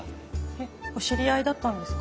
えっお知り合いだったんですか？